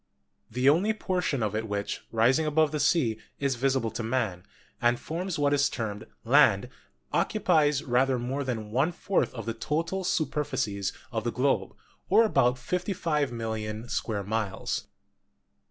The only portion of it which, rising? above the sea, is visible to Man, and forms what is termed COMPOSITION OF THE EARTH 87 Land, occupies rather more than one fourth of the total superficies of the globe, or about 55,000,000 square miles.